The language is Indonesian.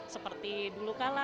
seperti dulu kalah